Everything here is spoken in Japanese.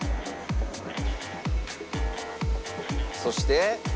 そして。